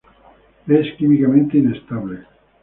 Es químicamente inestable.